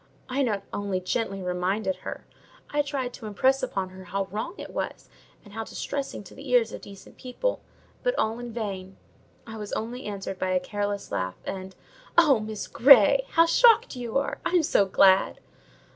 I not only "gently reminded" her, I tried to impress upon her how wrong it was, and how distressing to the ears of decent people: but all in vain: I was only answered by a careless laugh, and, "Oh, Miss Grey, how shocked you are! I'm so glad!"